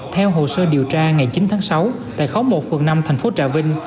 theo hồ sơ điều tra ngày chín tháng sáu tại khóm một phường năm thành phố trà vinh